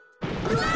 うわ！